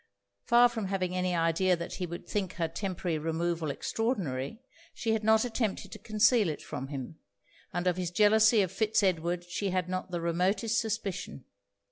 Far from having any idea that he would think her temporary removal extraordinary, she had not attempted to conceal it from him; and of his jealousy of Fitz Edward she had not the remotest suspicion.